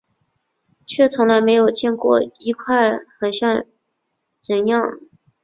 却从来没有见过有一块根像人样